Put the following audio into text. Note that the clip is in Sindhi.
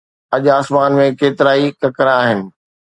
اڄ آسمان ۾ ڪيترائي ڪڪر آهن.